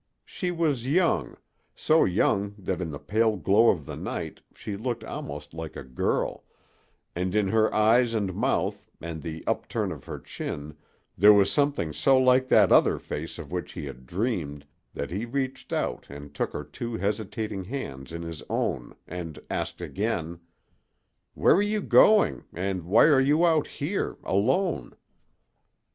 She was young, so young that in the pale glow of the night she looked almost like a girl, and in her eyes and mouth and the upturn of her chin there was something so like that other face of which he had dreamed that he reached out and took her two hesitating hands in his own, and asked again: "Where are you going, and why are you out here alone?"